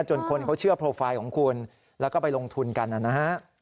จนคนเขาเชื่อโปรไฟล์ของคุณแล้วก็ไปลงทุนกันนะฮะ